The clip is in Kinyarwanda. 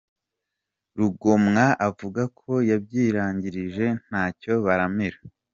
Rugomwa avuga ko yabyirangirije ntacyo baramira.